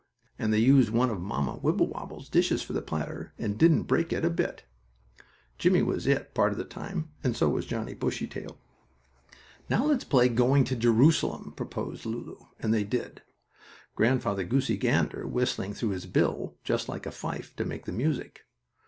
And they used one of Mamma Wibblewobble's dishes for the platter, and didn't break it a bit. Jimmie was "it" part of the time, and so was Johnnie Bushytail. "Now let's play going to Jerusalem," proposed Lulu, and they did, Grandfather Goosey Gander whistling through his bill, just like a fife, to make the music.